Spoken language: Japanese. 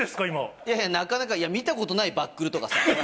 いやいや、なかなか、いや、見たことないバックルとかさ。